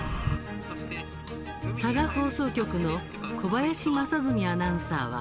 佐賀放送局の小林将純アナウンサーは